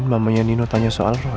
nama anak kedua mamah